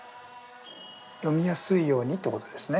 読みやすいようにってことですね。